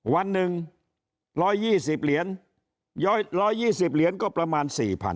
วันหนึ่ง๑๒๐เหรียญ๑๒๐เหรียญก็ประมาณ๔๐๐